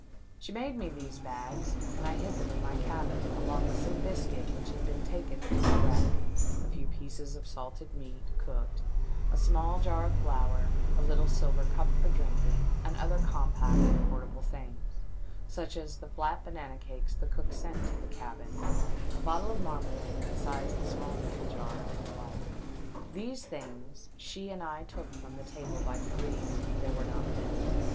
She made me these bags, and I hid them in my cabin, along with some biscuit which had been taken from the wreck, a few pieces of salted meat cooked, a small jar of flour, a little silver cup for drinking, and other com pact and portable things, such as the flat banana cakes the cook sent to the cabin, a bottle of marmalade of the size of a small pickle jar, and the like. These things she and I took from the table by degrees, and they were not missed.